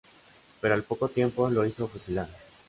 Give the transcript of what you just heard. Pero al poco tiempo lo hizo fusilar.